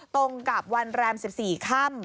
ตรงกับวันแรม๑๔ค่ำ